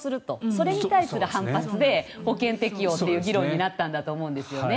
それに対する反発で保険適用という議論になったんだと思うんですね。